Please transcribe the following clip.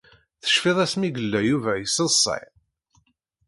Tecfiḍ asmi i yella Yuba yesseḍsay?